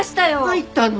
入ったの？